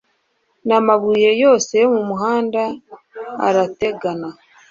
n'amabuye yose yo mu muhanda ara tegana